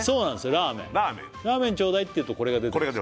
「ラーメン」「ラーメンちょうだい」って言うとこれが出てきます